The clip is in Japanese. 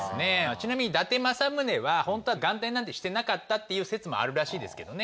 ちなみに伊達政宗は本当は眼帯なんてしてなかったっていう説もあるらしいですけどね。